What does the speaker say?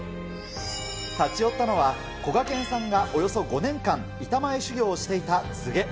立ち寄ったのはこがけんさんがおよそ５年間、板前修業をしていた都夏。